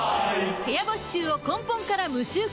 部屋干し臭を根本から無臭化